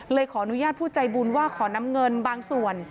ขออนุญาตผู้ใจบุญว่าขอนำเงินบางส่วน